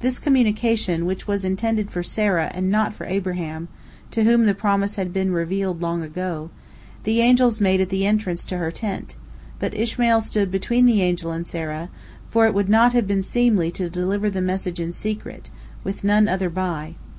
This communication, which was intended for Sarah and not for Abraham, to whom the promise had been revealed long before, the angels made at the entrance to her tent, but Ishmael stood between the angel and Sarah, for it would not have been seemly to deliver the message in secret, with none other by.